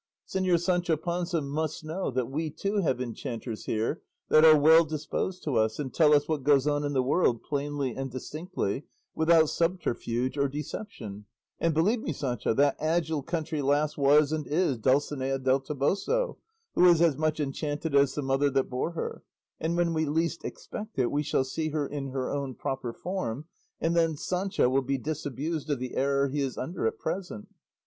Señor Sancho Panza must know that we too have enchanters here that are well disposed to us, and tell us what goes on in the world, plainly and distinctly, without subterfuge or deception; and believe me, Sancho, that agile country lass was and is Dulcinea del Toboso, who is as much enchanted as the mother that bore her; and when we least expect it, we shall see her in her own proper form, and then Sancho will be disabused of the error he is under at present."